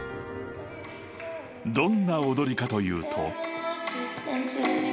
［どんな踊りかというと］